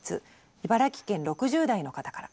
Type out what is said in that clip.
茨城県６０代の方から。